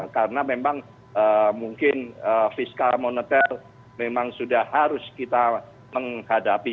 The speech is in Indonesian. karena memang mungkin fiskal moneter memang sudah harus kita menghadapi